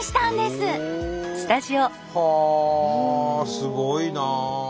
すごいな！